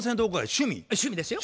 趣味ですよ。